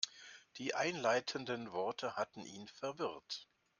Die einleitenden Worte hatten ihn verwirrt.